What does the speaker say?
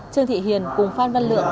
trương thị hiền cùng phan văn lượng